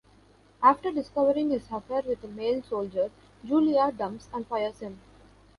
After discovering his affair with a male soldier, Julia dumps and fires him.